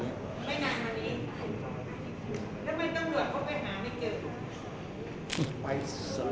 ฮอร์โมนถูกต้องไหม